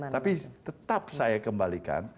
tapi tetap saya kembalikan